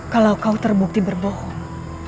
kalau kau terbukti berbohong